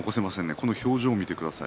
この表情を見てください。